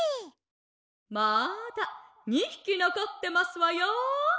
「まだ２ひきのこってますわよ」。